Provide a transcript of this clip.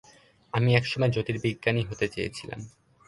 আমি একসময় জ্যোতির্বিজ্ঞানী হতে চেয়েছিলাম।